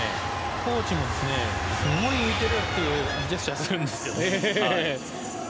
コーチもすごい浮いてるっていうジェスチャーをするんですよ。